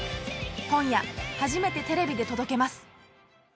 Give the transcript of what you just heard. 今夜、初めてテレビで届けます。